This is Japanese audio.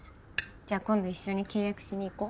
じゃあ今度一緒に契約しに行こう。